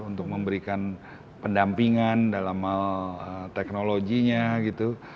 untuk memberikan pendampingan dalam hal teknologinya gitu